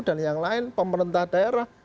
dan yang lain pemerintah daerah